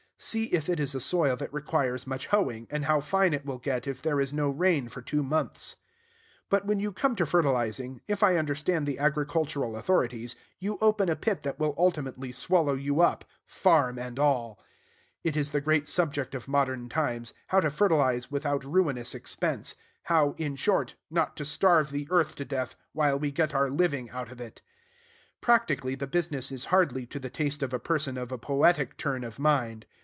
See if it is a soil that requires much hoeing, and how fine it will get if there is no rain for two months. But when you come to fertilizing, if I understand the agricultural authorities, you open a pit that will ultimately swallow you up, farm and all. It is the great subject of modern times, how to fertilize without ruinous expense; how, in short, not to starve the earth to death while we get our living out of it. Practically, the business is hardly to the taste of a person of a poetic turn of mind.